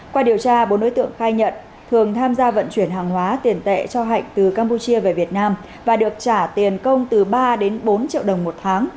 qua điều tra bốn đối tượng khai nhận thường tham gia vận chuyển hàng hóa tiền tệ cho hạnh từ campuchia về việt nam và được trả tiền công từ ba đến bốn triệu đồng một tháng